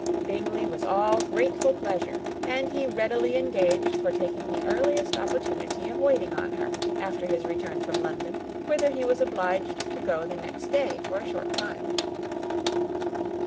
Bingley was all grateful pleasure; and he readily engaged for taking the earliest opportunity of waiting on her after his return from London, whither he was obliged to go the next day for a short time.